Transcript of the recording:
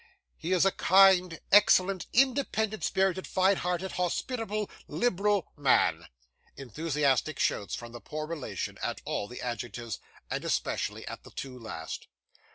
He is a kind, excellent, independent spirited, fine hearted, hospitable, liberal man (enthusiastic shouts from the poor relations, at all the adjectives; and especially at the two last).